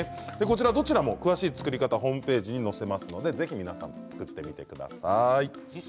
どちらも詳しい作り方はホームページに載せますのでぜひ皆さん作ってみてください。